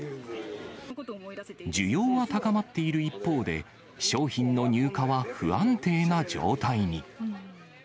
需要は高まっている一方で、商品の入荷は不安定な状態に。